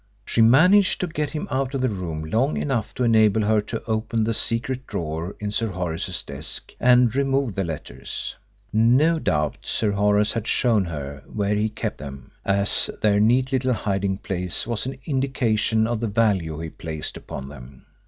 She managed to get him out of the room long enough to enable her to open the secret drawer in Sir Horace's desk and remove the letters. No doubt Sir Horace had shown her where he kept them, as their neat little hiding place was an indication of the value he placed upon them.